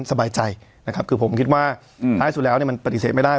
สบายใจนะครับคือผมคิดว่าท้ายสุดแล้วเนี่ยมันปฏิเสธไม่ได้